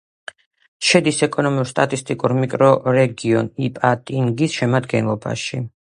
შედის ეკონომიკურ-სტატისტიკურ მიკრორეგიონ იპატინგის შემადგენლობაში.